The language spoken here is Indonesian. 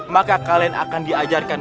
maka kalian akan diajarkan